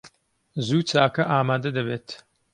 زوو چاکە ئامادە دەبێت.